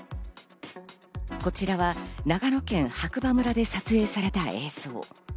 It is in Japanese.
こちらは長野県白馬村で撮影された映像。